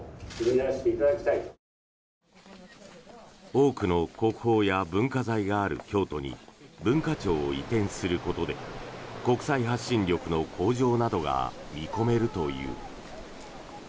多くの国宝や文化財がある京都に文化庁を移転することで国際発信力の向上などが見込めるという。